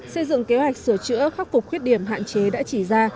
xây dựng kế hoạch sửa chữa khắc phục khuyết điểm hạn chế đã chỉ ra